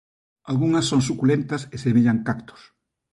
Algunhas son suculentas e semellan cactos.